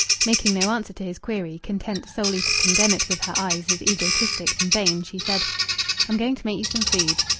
Making no answer to his query, content solely to condemn it with her eyes as egotistic and vain, she said "I'm going to make you some food."